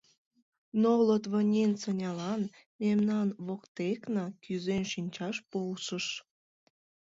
Но Лотвонен Сонялан мемнан воктекна кӱзен шинчаш полшыш.